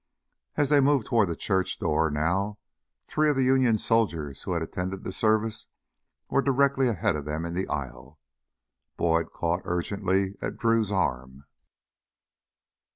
As they moved toward the church door now three of the Union soldiers who had attended the service were directly ahead of them in the aisle. Boyd caught urgently at Drew's arm.